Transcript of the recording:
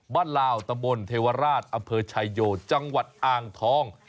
บ้านลาวตะบลเทวราชอเภอชัยโยจังหวัดอ่างทอง